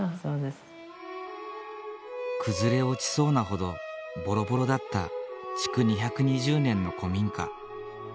崩れ落ちそうなほどボロボロだった築２２０年の古民家。